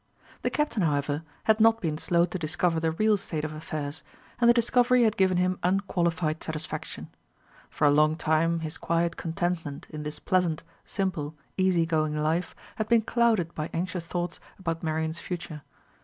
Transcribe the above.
The Captain, however, had not been slow to discover the real state of affairs, and the discovery had given him unqualified satisfaction. For a long time his quiet contentment in this pleasant, simple, easy going life had been clouded by anxious thoughts about Marian's future.